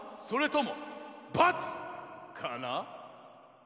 それとも×かな？